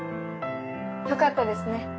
よかったですね。